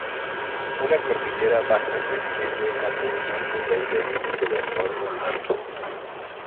Una cordillera baja se extiende hacia el norte desde el límite del borde norte.